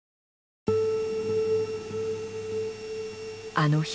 あの日。